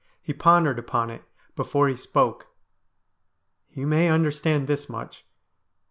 He pon dered upon it before he spoke. ' You may understand this much.